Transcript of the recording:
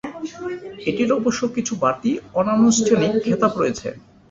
এটির অবশ্য কিছু বাড়তি অনানুষ্ঠানিক খেতাব রয়েছে।